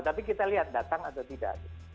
tapi kita lihat datang atau tidak